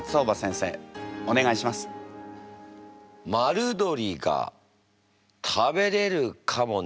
「丸どりが食べれるかもね」。